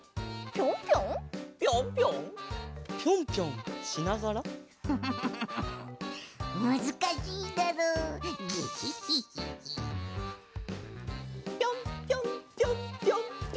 ぴょんぴょんぴょんぴょんぴょんぴょんぴょん！